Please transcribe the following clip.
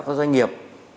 các doanh nghiệp